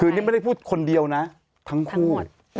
คือนี่ไม่ได้พูดคนเดียวนะทั้งคู่